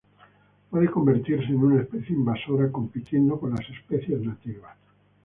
Puede convertirse en una especie invasora, compitiendo con las especies nativas.